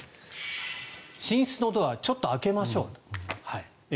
寝室のドアをちょっと開けましょうと。